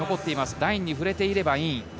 ラインに触れていればイン。